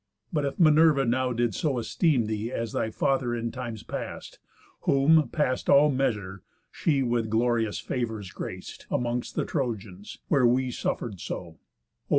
But if Minerva now did so esteem Thee, as thy father in times past; whom, past All measure, she with glorious favours grac't Amongst the Trojans, where we suffer'd so; (O!